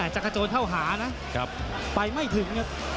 จักรโจรเข้าหานะไปไม่ถึง